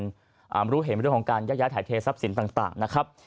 รู้เห็นเรื่องของการแยกย้ายถ่ายเททรัพย์สินต่างนะครับ